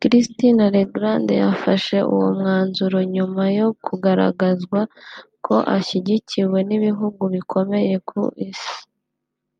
Christine Lagarde yafashe uwo mwanzuro nyuma yo kugaragarizwa ko ashyigikiwe n’ibihugu bikomeye ku Isi